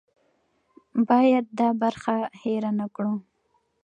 باید دا برخه هېره نه کړو.